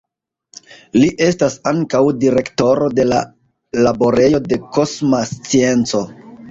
Li estas ankaŭ direktoro de la Laborejo de Kosma Scienco.